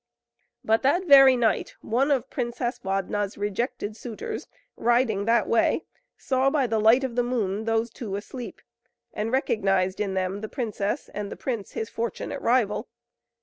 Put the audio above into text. But that very night, one of Princess Ladna's rejected suitors, riding that way, saw by the light of the moon those two asleep, and he recognized in them the princess, and the prince, his fortunate rival.